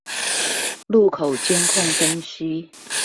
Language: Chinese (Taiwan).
路口監控分析